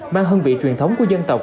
mang hương vị truyền thống của dân tộc